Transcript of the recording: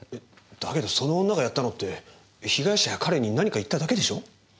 だけどその女がやったのって被害者や彼に何か言っただけでしょ？